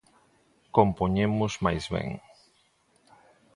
Compoñemos máis ben.